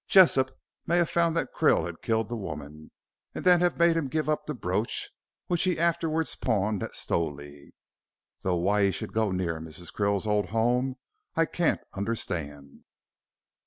Jessop may have found that Krill had killed the woman, and then have made him give up the brooch, which he afterwards pawned at Stowley. Though why he should go near Mrs. Krill's old home, I can't understand."